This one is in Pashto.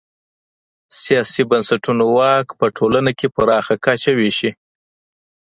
سیاسي بنسټونه واک په ټولنه کې پراخه کچه وېشي.